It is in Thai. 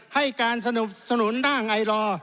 ให้การสนุนทางไอลอ